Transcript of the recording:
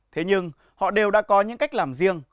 thế nhưng họ đều đã có những cách làm riêng